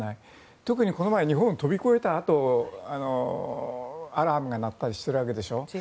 特にこの前日本を飛び越えたあとアラームが鳴ったりしているわけでしょ。